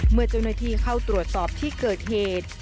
เมื่อเจ้าหน้าที่เข้าตรวจสอบที่เกิดเหตุ